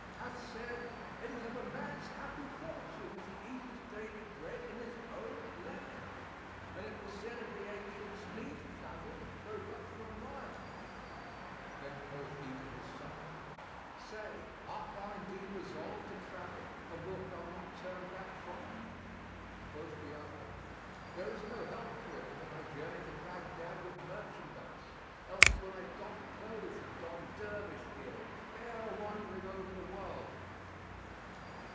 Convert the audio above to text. hath said, 'It is of a man's happy fortune that he eat his daily bread in his own land', and it was said of the ancients, 'Leave travel, though but for a mile.'" Then quoth he to his son, "Say, art thou indeed resolved to travel and wilt thou not turn back from it?" Quoth the other, "There is no help for it but that I journey to Baghdad with merchandise, else will I doff clothes and don dervish gear and fare a wandering over the world."